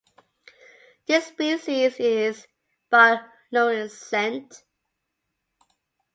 This species is Bioluminescent.